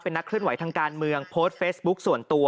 นักเคลื่อนไหวทางการเมืองโพสต์เฟซบุ๊คส่วนตัว